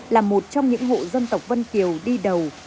là một trong những hộ dân tộc vân kiều đi đầu